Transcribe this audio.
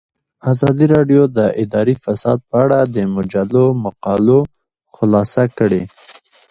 ازادي راډیو د اداري فساد په اړه د مجلو مقالو خلاصه کړې.